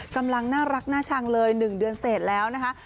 กำลังน่ารักน่าชังเลย๑เดือนเสร็จแล้วนะคะ